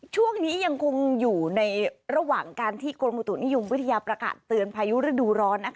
ช่วงนี้ยังคงอยู่ในระหว่างการที่กรมอุตุนิยมวิทยาประกาศเตือนพายุฤดูร้อน